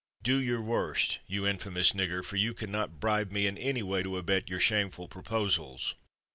"Do your worst, you infamous nigger, for you cannot bribe me in any way to abet your shameful proposals."